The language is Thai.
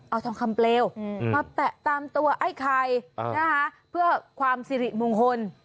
เอาทองคำเปลวมาแปะตามตัวไอ้ไข่นะคะเพื่อความสิริมงคล